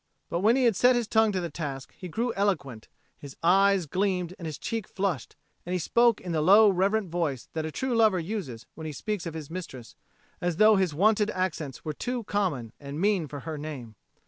But when he had set his tongue to the task, he grew eloquent, his eyes gleamed and his cheek flushed, and he spoke in the low reverent voice that a true lover uses when he speaks of his mistress, as though his wonted accents were too common and mean for her name.